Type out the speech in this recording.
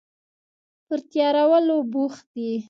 پر تیارولو بوخت دي